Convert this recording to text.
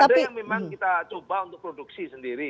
ada yang memang kita coba untuk produksi sendiri